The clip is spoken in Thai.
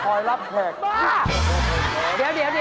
ฉันอยากจะเป็นหมอนวรพลอยรับแผลก